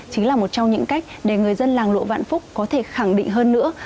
chính là một trong những cách để người dân làng lụa vạn phúc có thể khẳng định hơn nữa